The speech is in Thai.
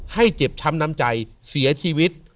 ให้เจ็บช้ำน้ำใจเสียชีวิต